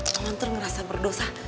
mama tuh ngerasa berdosa